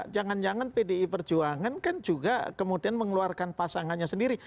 jangan jangan pdi perjuangan kan juga kemudian mengeluarkan pasangannya sendiri